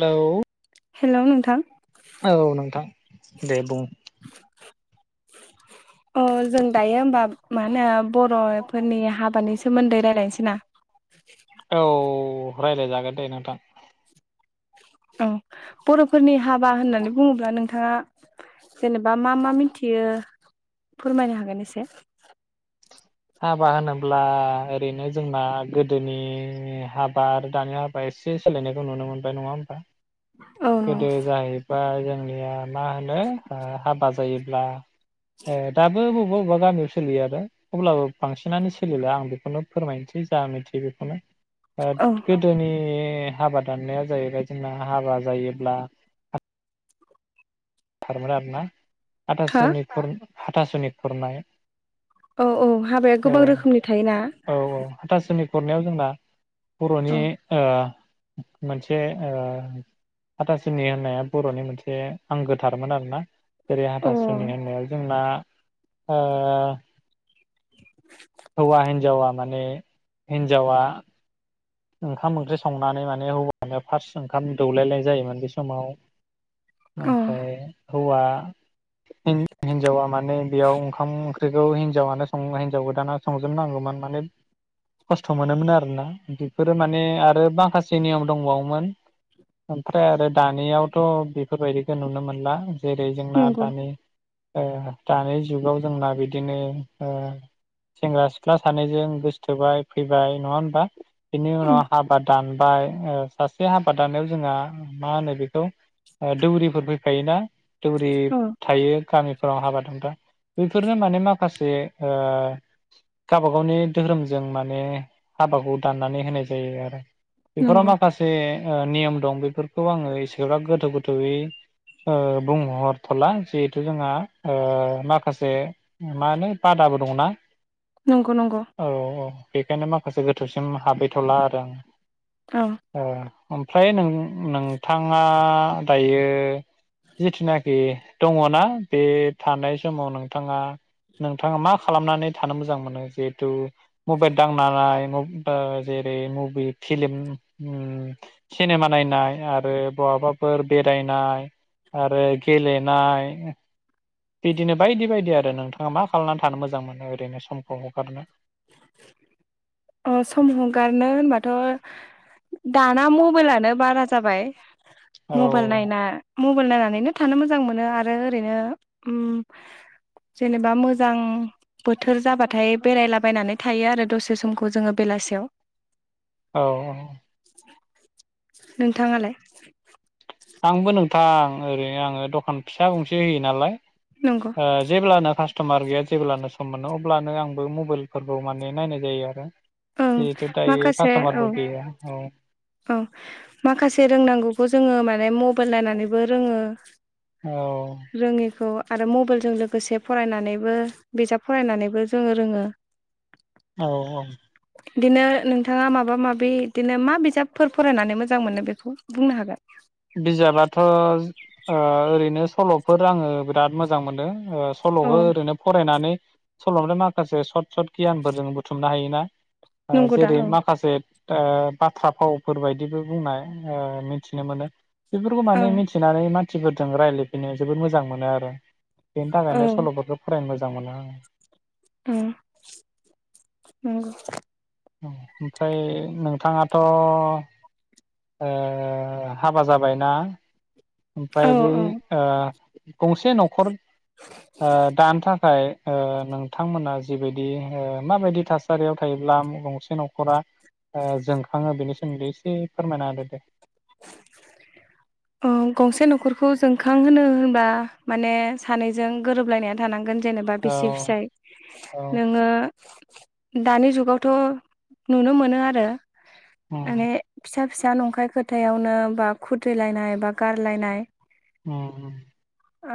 Hello. Hello नोंथां। औ नोंथां दे बुं। अह जों दायो होमबा मा होनो बर'फोरनि हाबानि सोमोन्दै रायलायनोसै ना? औ रायलायजागोन दे नोंथां। अ बर'फोरनि हाबा होननानै बुङोब्ला नोंथाङा जेनेबा मा मा मिथियो? फोरमायनो हागोन एसे हाबा होनोब्ला ओरैनो जोंना गोदोनि हाबा आरो दानि हाबाया एसे सोलायनायखौ नुनो मोनबाय नङा होमबा? औ नं गोदो जाहैबाय जोंनिया मा होनो ओ हाबा जायो ब्ला ओ दाबो बुं [unintelligible] औबाबा गामियाव सोलियो आरो अब्लाबो बांसिनानो सोलिला आं बेखौनो फोरमायनोसै जा मिथियो बेखौनो ओद औ गोदोनि हाबा दाननाया जायो बायदिना हाबा जायो। ब्ला हा थारमोन आरो ना हा आथासुनि खुर हाथासुनि खुरनाय औ अ हाबाया गोबां औ रोखोमनि थायोना औ हाथासुनि खुरनायाव जोंना बर'नि औ ओ मोनसे ओ हाथासुनि होननाया बर'नि मोनसे आंगो थारमोन आरो ना जेरै अ हाथासुनि होननायाव जोंना ओ [unintelligible] हौवा हिनजावा माने हिनजावा ओंखाम ओंख्रि संनानै माने हौवानो फार्स्ट ओंखाम दौलायनाय जायोमोन बे समाव अ ओमफ्राय हौवा इं हिनजावा माने बेयाव ओंखाम ओंख्रिखौ हिनजावानो सं हिनजाव गोदाना संजोबनांगौमोन माने खस्थ' मोनोमोन आरोना बिदि बेफोरो माने आरो माखासे नियम दंबावोमोन ओमफ्राय आरो दानियावथ' बेफोरबायदिखौ नुनो मोनला। जेरै जोंना नंगौ दानि ओ दानि जुगाव जोंना बिदिनो ओ सेंग्रा सिख्ला सानैजों गोसोथोबाय फैबाय नङा होनबा? बिनि उम उनाव हाबाद दानबाय ओ सासे हाबा दाननायाव जोंहा मा होनो बेखौ ओ दौरिफोर फैफायोना? दौरि औ थायो गामिफोराव हाबा दानब्ला बेफोरनो माने माखासे ओ गावबा गावनि धोरोमजों माने हाबाखौ दान नानै होनाय जायो आरो बेफोराव नंगौ माखासे ओ नियम दं बेफोरखौ आंङो एसेबा गोथौ गोथौयै ओ बुंहरथ'ला जिहेथु जोंहा ओ माखासे मा होनो बादाबो दंना नंगौ नंगौ औ औ औ बेखायनो माखासे गोथौ सिम हाबैथ'ला आरो आं औ ओ ओमफ्राय नों नोंथांङा दायो जिथुनाखि दंङना बे थानाय समाव नोंथांङा नोंथांङा मा खालामनानै थानो मोजां मोनो जिहेथु मबाइल दांनानाय ओ जेरै मुभि फिलिम उम सिनेमा नायनाय आरो बहाबाफोर बेरायनाय आरो गेलेनाय बिदिनो बायदि बायदि आरो नोंथांङा मा खालामनानै थानो मोजां मोनो ओरैनो समखौ हगारनो अ सम हगारनो होनबाथ' दाना म मबाइलानो बारा जाबाय औ मबाइल नायना मबाइल नायना नानैनो थानो मोजां मोनो आरो ओरैनो ओम जेनेबा मोजां बोथोर जाबाथाय बेरायला बायनानै थायो आरो दसे समखौ जोंङो बेलासेयाव औ औ नोंथांङालाय आंबो नोंथां ओरैनो आंङो दखान फिसा गंसे होयो नालाय नंगौ ओ जेब्लानो फास स्ट'मार गैया जेब्लानो सम मोनो अब्लानो आंबो मबाइलफोरखौ माने नायनाय जायो आरो ओं जिहेथु दायो माखासे औ कास्ट'मारफोर गैया औ औ माखासे रोंनांगौखौ जोंङो माने मब मबाइल नायनानैबो रोंङो औ आरो मबाइलजों लोगोसे फरायनानैबो बिजाब फरायनानैबो जोंङो रोंङो। औ औ बिदिनो नोंथांङा माबा माबि बिदिनो मा बिजाबफोर फरायनानै मोजां मोनो बेखौ बुंनो हागोन बिजाबाथ' ओ ओरैनो सल'फोर आंङो बिराद मोजां मोनो ओ औ सल'खौ ओरैनो फरायनानै सल' बाथाय माखासे सर्ट सर्ट गियानफोर जों बुथुमनो हायोना ओ नंगौ दा जेरै औ माखासे ओ बाथ्रा फावफोर बायदिबो बुंनाय ओ मिनथिनो मोनो बेफोरखौ माने ओं मिथिनानै मान थि फोरजों रायज्लायफिनो जोबोद मोजां मोनो आरो बेनि औ थाखायनो सल'फोरखौ फरायनो मोजां मोजां मोना उम नंगौ ओमफ्राय नोंथाङाथ' ओ हाबा जाबायना? औ ओमफ्राय बै औ ओ, गंसे न'खर, ओ दानो थाखाय ओ नोंथांमोना जिबायदि ओ माबायदि थासारियाव थायोब्ला गंसे न'खरा ओ जोंखाङो बेनि सोमोन्दै एसे फोरमायना होदो दे, ओ गंसे न'खरखौ जोंखां होनो होनबा माने सानैजों गोरोबलायनाया थानांगोन, जेनेबा औ बिसि फिसाय औ नोंङो दानि जुगावथ' नुनो मोनो आरो उम माने फिसा फिसा नंखाय खो हाथायावनो बा खुद्रिलायनाय बा गारलायनाय, उम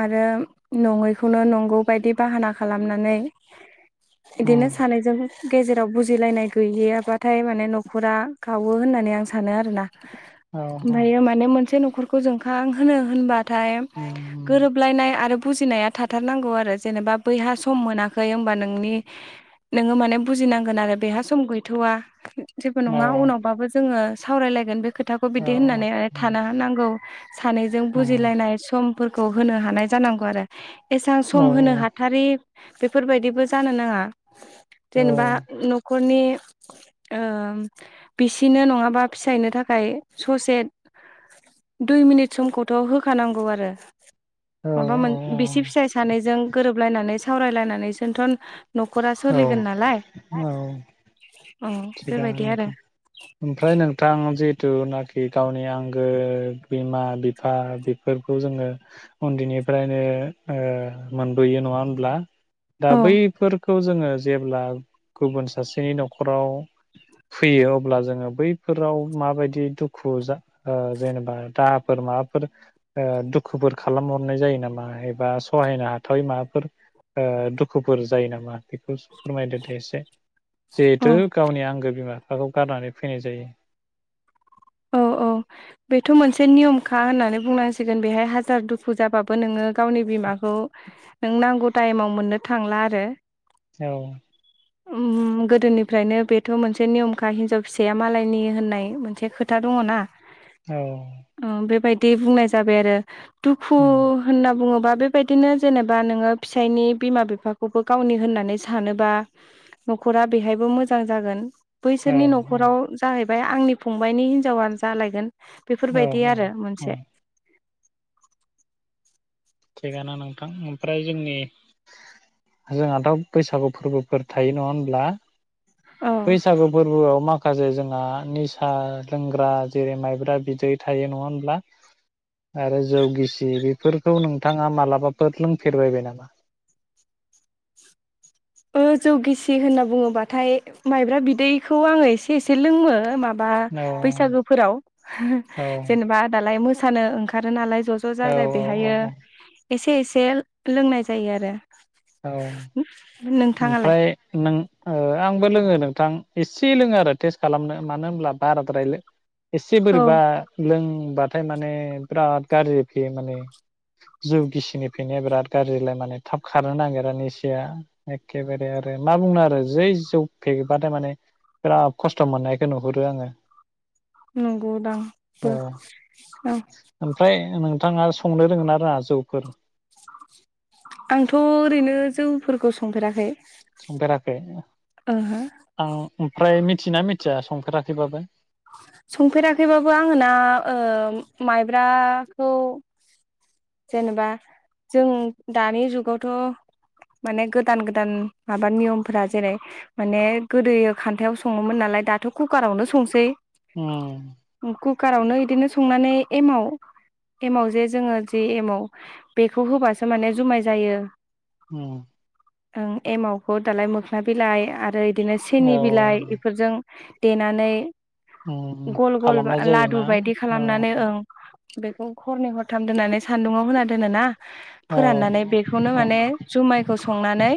आरो नङैखौनो नंगौ बायदि बाहाना खालामनानै, इदिनो उम सानैजों गेजेराव बुजिलायनाय गैयैयाबाथाय माने न'खरा गावो होननानै आं सानो आरोना? औ ओमफायो माने मोनसे न'खर खौ जोंखां होनो होनबा थाय औ गोरोबलायनाय आरो बुजिनाया थाथारनांगौ आरो जेनेबा बैहा सम मोनाखै होमबा नोंनि नोंङो माने बुजिनांगोन आरो बेहा सम गैथ'वा, जेबो औ नंङा उनावबाबो जोंङो, सावरायलायगोन बे खो खौ औ बिदि होननानै थानो नांगौ। सानैजों बुजिलायनाय सम फोरखौ होनो हानाय जानांगौ आरो। एसां सम होनो हाथारि, बेफोरबायदिबो जानो नांङा। जेनेबा न'खरनि, ओ बिसिनो नंङाबा फिसायनो थाखाय, ससे दुइ मिनिट समखौथ' होखानांगौ आरो। औ माबा मोन बिसि फिसाय सानैजों गोरोबलायनानै सावरायलायनानै सोथ'न, न-खरा औ सोलिगोन नालाय औ थिगानो बेबायदि आरो नोंथां ओमफ्राय नोंथां जे जिथुनाखि गावनि आंगो बिमा बिफा बेफोरखौ जोंङो उन्दैनिफ्रायनो ओ मोनबोयो नंङा होमब्ला, दा औ बैफोरखौ जोंङो। जेब्ला गुबुन सासेनि न'खराव फैयो अब्ला जोंङो बैफोराव माबायदि दुखु जा ओ जेनेबा दाहाफोर माबाफोर ओ दुखुफोर खालामहरनाय जायो नामा एबा सहायनो हाथावै माबाफोर ओ दुखुफोर जायो नामा बे फोरमायदो दे एसे जिहेथु औ आंगो बिमा बिफाखौ गारनानै फैनाय जायो। औ औ बेथ' मोनसे नियमखा होननानै बुंनांसिगोन बेहाय हाजार दुखु जाबाबो नोङो गावनि बिमाखौ नों नांगौ टाइमाव मोननो थांला आरो। औ। ओम गोदोनिफ्रायनो बेथ' मोनसे नियमखा हिनजाव फिसाया मालायनि होननाय मोनसे खोथा खोथा दङ ना? औ। बिदि बुंनाय जाबाय आरो दुखु उम होनना बुङोबा बेबायदिनो जेनेबा नोङो फिसायनि बिमा बिफाखौबो गावनि होननानै सानोबा न'खरा बेहायबो मोजां जागोन। औ बैसोरनि न'खराव जाहैबाय ओमफ्राय आंनि फंबायनि हिन हिनजावआनो जालायगोन औ बेफोरबायदि औ आरो औ मोनसे। थिगानो नोंथां ओमफ्राय जोंनि जोंहाथ' बैसागु फोरबोफोर थायो नङा होनब्ला? औ बैसागु फोरबोआव मा? माखासे जोंहा निसा लोंग्रा जेरै माइब्रा बिदै थायो नङा होनोमब्ला? आरो जौगिसि बेफोरखौ नोंथाङा मालाबाफोर लोंफेरबायबाय नामा? ओ जौगिसि होनना बुङोबाथाय माइब्रा बिदैखौ आङो एसे एसे लोङो माबा बा औ बैसागोफोराव जेनेबा दालाय मो मोसानो ओंखारो नालाय ज' ज' औ जाजाय औ बेहायो एसे एसे लोंनाय जायो आरो औ। नोंथाङालाय ओमफ्राय नों ओ आंबो लोङो नों थां एसे लोङो आरो टेस्ट खालामनो मानो होनब्ला बाराद्रायलो एसे औ बोरैबा लों बुंबाथाय माने बिराद गाज्रि फैयो माने जौ गिसिनि फैनाया बिराद गाज्रिलाय माने थाब खारनो नागिरा निसाया एखेबारे आरो मा बुंनो आरो जै जौ फेबाथाय माने बिराद खस्थ' मोननायखौ नुहुरो आङो नंगौ दां बो औ ओ। ओमफ्राय नोंथाङा संनो रोंङो आरो रोंङा जौफोर? आंथ' ओरैनो जौफोरखौ संफेराखै। संफेराखै ओहो आं ओमफ्राय मिथियोना मिथिया संफेराखैबाबो? संफेराखैबाबो आङो ना ओ माइब्राखौ जेनेबा जों दानि जुगावथ' माने गोदान-गोदान माबा नियमफोरा जेरै माने गोदो खान्थायाव सङोमोन नालाय दाथ' कुकारावनो संसै उम कुकारावनो बिदिनो संनानै एमाव एमाव जे जोङो जि एमाव बेखौ होबासो माने जुमाय जायो। उम ओं एमावखौ दालाय मोखना बिलाइ आरो बिदिनो सिनि औ बिलाइ बेफोरजों देनानै उम गल गल खालामनाय लादु जायोना बायदि औ खालामनानै ओं बेखौ हरनै हरथाम दोननानै सान्दुङाव होना दोनोना औ फोराननानै बेखौनो माने जुमायखौ संनानै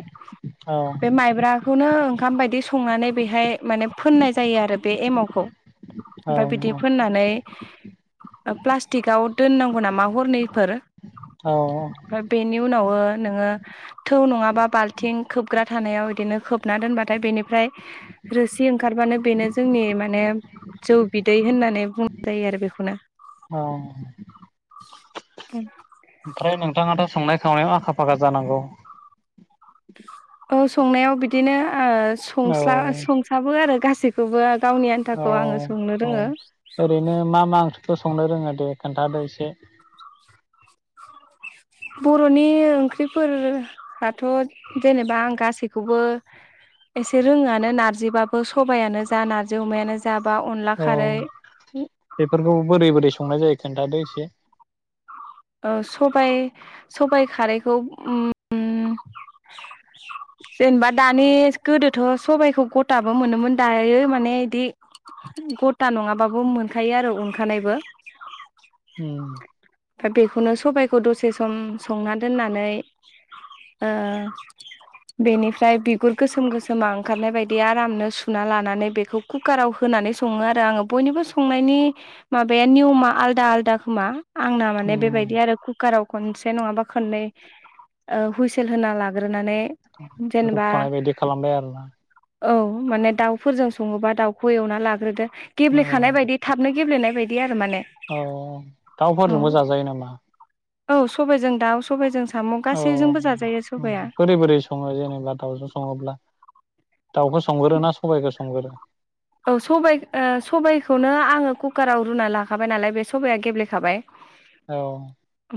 औ बे माइब्राखौनो ओंखाम बायदि संनानै बेहाय माने फोननाय जायो आरो बे एमाव औ ओमफ्राय बिदि फोननानै प्लास्टिकाव दोननांगौ नामा हरनैफोर औ नाव नोङ थ नङा बालथिं खोबग्रा थानायाव बिदिनो खोबना दोनबाथाय बेनिफ्राय रोसि ओंखारबानो बे जोंनि माने जौ बिदै होननानै बुंनाय जायो आरो बेखौनो औ ओमफ्राय नों [unintelligible] संनाय खावनायाव आखा-फाखा जानांगौ ओं संनायाव बिदिनो ओ औ संस्ला संसाबो आरो गासै गासिबखौबो औ औ ओरैनो मा मा ओं संनो रोङो दे खोन्थादो एसे बर'नि ओंख्रिफोराथ' जेनेबा आं गासैखौबो एसे रोङोआनो नारजिबाबो सबायानो जा नारजि अमायानो जा बा अनला अ खारै बेफोरखौ बोरै बोरै सं संनाय जायो खोन्थादो एसे औ सबाइ सबाइ खारैखौ उम उम जेनेबा दानि गोदोथ' सबायाइखौ गथाबो मोनोमोन दायो माने बिदि गथा नङाबाबो मोनखायो आरो उनखानायबो उम दा बेखौनो सबायखौ दसे सम संना दोननानै ओ बेनिफ्राय बिगुर गोसोम गोसोमा ओंखारनाय बायदि आरामनो सुना लानानै बेखौ कुकाराव होनानै सङो आरो आङो बयनिबो संनायनि माबाया नियमा आलादा-आलादा खोमा आंना माने उम बेबायदि आरो कुकाराव खनसे नङाबा खननै ओ हुइसेल होना लाग्रोनानै जेनेबा रुख'नाय बायदि खालामबाय आरोना औ माने दाउफोरजों सङोबा दाउखौ एवना लाग्रोदो औ गेब्लेखानाय बायदि थाबनो गेलेनाय बिदि आर औ दाउफोरजोंबो जाजायो नामा? औ सबायजों दाउ सबायजों साम' औ गासैजोंबो जाजायो सबाया बोरै बोरै सङो जेनेबा दाउजों सङोब्ला? दाउखौ संगोरो ना सबायखौ संगोरो? औ सबाय ओ सबायखौनो आङो कुकाराव रुना लाखाबाय नालाय बे सबाइया गेब्ले खाबाय औ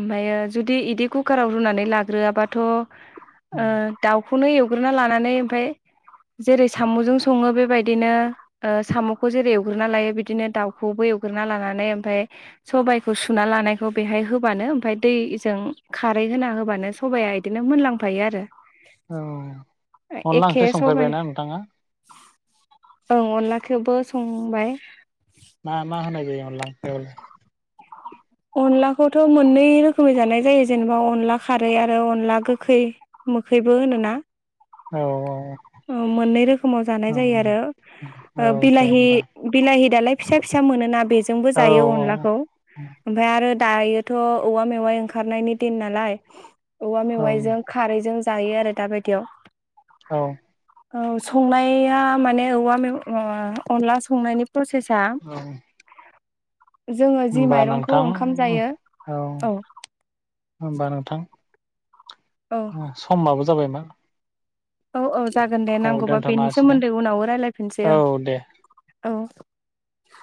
ओमफ्रायो जुदि इदि कुकाराव रुनानै लाग्रोआबाथ' ओ उम दाउ खौनो एवग्रोना लानानै ओमफ्राय जेरै साम'जों सङो बेबायदिनो ओ साम'खौ जेरै एवग्रोना लायो बिदिनो दाउखौबो एवग्रोना लानानै ओमफ्राय सबाइखौ सुना लानायखौ बेहाय होबानो ओमफ्राय दैजों खारै होना होबानो सबाया इदिनो मोनलांफायो आरो। औ अनला ओंख्रि संफेरबायना नोंथाङा? औ अनलाखौबो संबाय। मा मा होनाय जायो अनला ओंख्रिआवलाय? अनलाखौथ' मोननै रोखोमनि जानाय जायो जेनेबा अनला खारै आरो अनला गोखै मोखैबो होनोना। औ औ मोननै रोखोमाव जानाय औ जायो आरो दे बिलाहि होमबा बिलाहि दालाय फिसा फिसा मोनोना बे जोंबो औ जायो औ अनलाखौ। ओमफाय आरो दायोथ' औवा मेवाइ ओंखारनायनि दिन नालाय औवा औ मेवाइजों खारैजों जायो आरो दा बायदियाव। औ औ संनाया माने औवा मेव अनला संनायनि प्रसेसा औ जोङो जि होमबा माइरंखौ नोंथां ओंखाम जायो औ होनबा नोंथां औ समाबो जाबाय मा। औ औ जागोन दे नांगौबा दोनथ'नो बेनि हासिगोन सोमोन्दै उनाव रायलायफिनसै औ ओं। दे औ।